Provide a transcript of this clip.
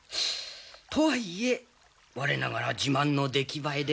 とはいえ我ながら自慢の出来栄えで。